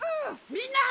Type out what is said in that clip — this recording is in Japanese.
みんな！